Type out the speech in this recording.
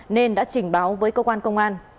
nên đã trình báo với cơ quan công an